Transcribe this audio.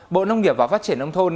bộ nông nghiệp và phát triển âm thôn